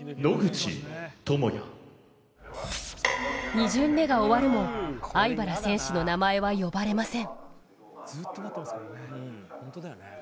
２巡目が終わるも粟飯原選手の名前は呼ばれません。